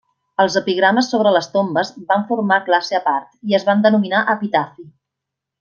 Els epigrames sobre les tombes van formar classe a part i es van denominar epitafi.